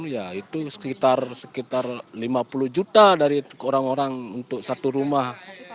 ya itu sekitar lima puluh juta dari orang orang untuk satu rumah